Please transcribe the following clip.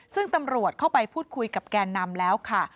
ซึ่งตำรวจเข้าไปพูดคุยกับแกนนำแล้วค่ะ